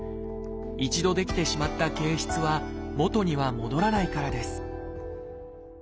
一度出来てしまった憩室は元には戻らないからです